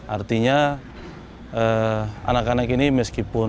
artinya anak anak ini meskipun